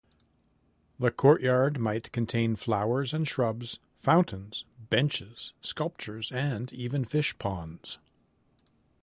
The courtyard might contain flowers and shrubs, fountains, benches, sculptures and even fish ponds.